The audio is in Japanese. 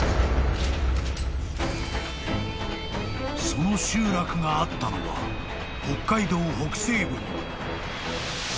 ［その集落があったのは北海道北西部の］